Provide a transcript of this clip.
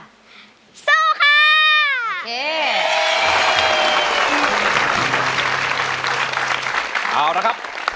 โซคะ